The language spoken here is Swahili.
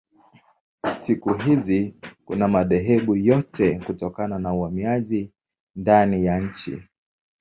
Siku hizi kuna madhehebu yote kutokana na uhamiaji ndani ya nchi.